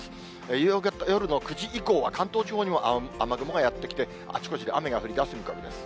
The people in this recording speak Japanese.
夕方、夜の９時以降は、関東地方にも雨雲がやって来て、あちこちで雨が降りだす見込みです。